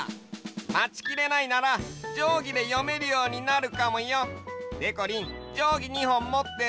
まちきれないならじょうぎで読めるようになるかもよ。でこりんじょうぎ２ほんもってる？